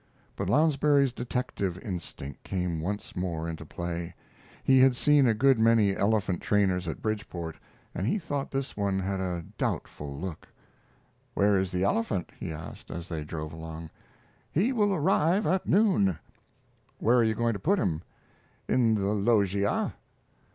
But Lounsbury's detective instinct came once more into play. He had seen a good many elephant trainers at Bridgeport, and he thought this one had a doubtful look. "Where is the elephant?" he asked, as they drove along. "He will arrive at noon." "Where are you going to put him?" "In the loggia."